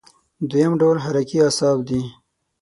دویم ډول حرکي اعصاب دي.